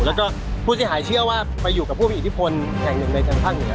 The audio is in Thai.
แล้วก็ผู้เสียหายเชื่อว่าไปอยู่กับผู้มีอิทธิพลแห่งหนึ่งในทางภาคเหนือ